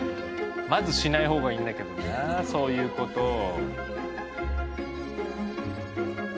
まずしない方がいいんだけどなそういうことを。